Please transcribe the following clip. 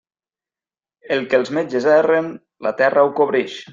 El que els metges erren, la terra ho cobrix.